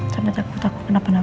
sangat takut takut kenapa napa